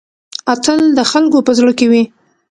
اتل د خلکو په زړه کې وي